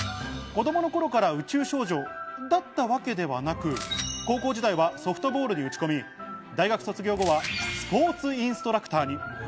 子供の頃から宇宙少女だったわけではなく、高校時代はソフトボールに打ち込み、大学卒業後はスポーツインストラクターに。